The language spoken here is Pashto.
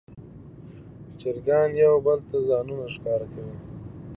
چرګان یو بل ته ځانونه ښکاره کوي.